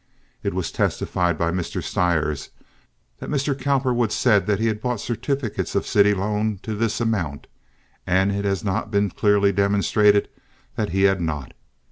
It was testified by Mr. Stires that Mr. Cowperwood said he had bought certificates of city loan to this amount, and it has not been clearly demonstrated that he had not.